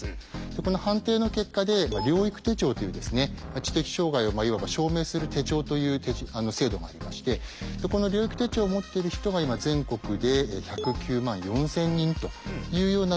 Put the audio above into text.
この判定の結果で「療育手帳」という知的障害をいわば証明する手帳という制度がありましてこの療育手帳を持っている人が今全国で１０９万４，０００人というようなのが今の状況ですね。